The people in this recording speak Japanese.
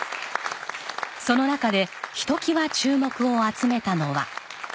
その中でひときわ注目を集めたのは。